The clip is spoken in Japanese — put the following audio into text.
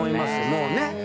もうね。